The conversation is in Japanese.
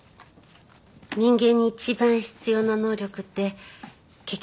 人間に一番必要な能力って結局はあれよ。